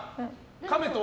カメと？